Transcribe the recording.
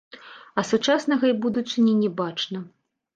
А сучаснага і будучыні не бачна.